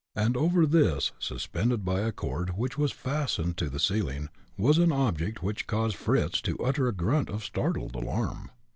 And over this, suspended by a cord, which was fastened to the ceiling, was an object which caused Fritz to utter a grunt of startled alarm.